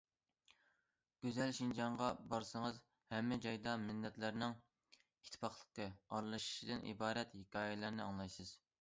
گۈزەل شىنجاڭغا بارسىڭىز ھەممە جايدا مىللەتلەرنىڭ ئىتتىپاقلىقى، ئارىلىشىشىدىن ئىبارەت ھېكايىلەرنى ئاڭلايسىز.